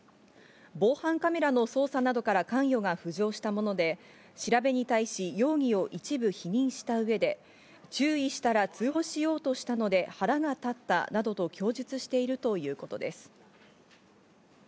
防犯カメラの捜査などから関与が浮上したもので、調べに対し、容疑を一部否認した上で、注意したら通報しようとしたので、腹が立ったなどと供述しているということです。